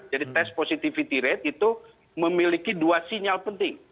tes positivity rate itu memiliki dua sinyal penting